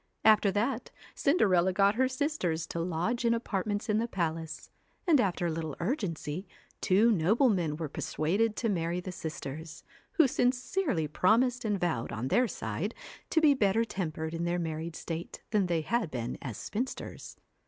After that Cinderella got her sisters to lodge in apartments in the palace, and after a little urgency, two noblemen were persuaded to marry the sisters, who sincerely promised and vowed on their side to be better tempered in their married state than they had been as spinsters.